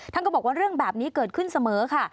ท่านก็บอกว่าเรื่องแบบนี้เกิดขึ้นเสมอค่ะ